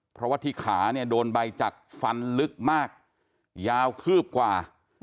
เพราะว่าที่ขาเนี่ยโดนใบจักรฟันลึกมากยาวคืบกว่า